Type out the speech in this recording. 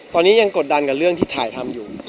ตอนนี้ยังกดดันกับเรื่องที่ถ่ายทำอยู่